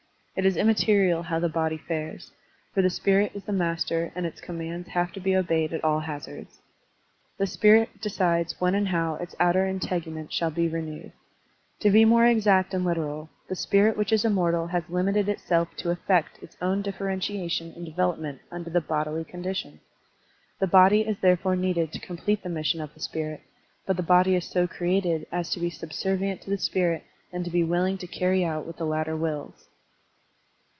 It is immaterial how the body fares, for the spirit is the master and its commands have to be obeyed at all hazards. The spirit decides when and how its outer integument shall be renewed. To be more exact and literal, the spirit which is immortal has limited itself to effect its own differentiation and devel opment tmder the bodily condition. The body is therefore needed to complete the mission of the spirit, but the body is so created as to be subservient to the spirit and to be willing to carry out what the latter wills.